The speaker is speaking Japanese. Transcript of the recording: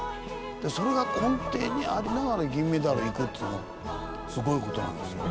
それが根底にありながら銀メダルいくっつうのはすごい事なんですよ。